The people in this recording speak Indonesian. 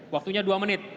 waktunya dua menit